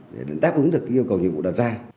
để đáp ứng được yêu cầu nhiệm vụ đặt ra